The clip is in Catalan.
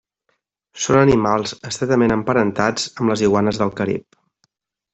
Són animals estretament emparentats amb les iguanes del Carib.